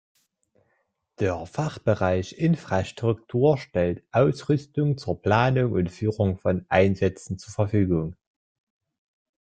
Der Fachbereich "Infrastruktur" stellt Ausrüstung zur Planung und Führung von Einsätzen zur Verfügung.